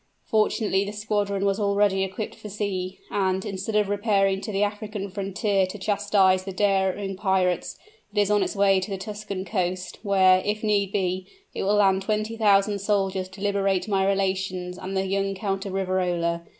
Fortunately the squadron was already equipped for sea; and, instead of repairing to the African frontier to chastise the daring pirates, it is on its way to the Tuscan coast, where, if need be, it will land twenty thousand soldiers to liberate my relations and the young Count of Riverola.